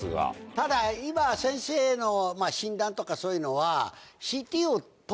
ただ今先生の診断とかそういうのは。